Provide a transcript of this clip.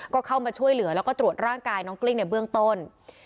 ก็เข้ามาช่วยเหลือแล้วก็ตรวจร่างกายน้องกลิ้งในเบื้องต้น